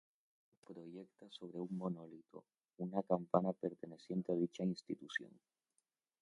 El monumento proyecta sobre un monolito, una campana perteneciente a dicha institución.